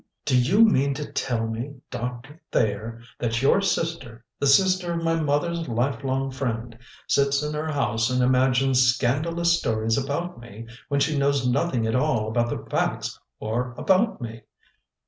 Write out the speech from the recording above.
"Do you mean to tell me, Doctor Thayer, that your sister, the sister of my mother's lifelong friend, sits in her house and imagines scandalous stories about me, when she knows nothing at all about the facts or about me?